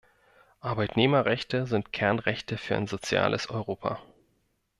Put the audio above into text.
Arbeitnehmerrechte sind Kernrechte für ein soziales Europa.